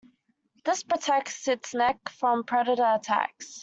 This protects its neck from predator attacks.